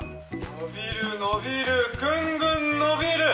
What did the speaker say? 伸びる伸びるグングン伸びる！